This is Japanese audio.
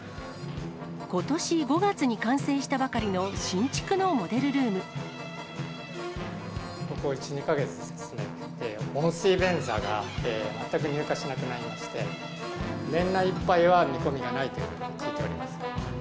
ことし５月に完成したばかりここ１、２か月ですね、温水便座が全く入荷しなくなりまして、年内いっぱいは見込みがないということを聞いております。